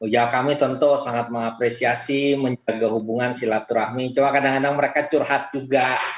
ya kami tentu sangat mengapresiasi menjaga hubungan silaturahmi cuma kadang kadang mereka curhat juga